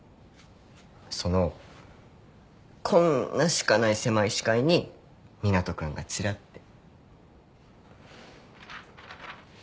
そのこんなしかない狭い視界に湊斗君がちらって。